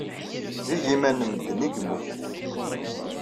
D igiman n medden ay yemmuten.